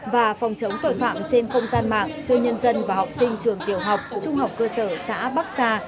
và phòng chống tội phạm trên không gian mạng cho nhân dân và học sinh trường tiểu học trung học cơ sở xã bắc sa